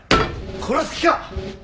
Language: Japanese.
殺す気か！？